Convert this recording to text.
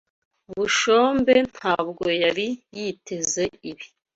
Bushombe ntabwo yari yiteze ibi.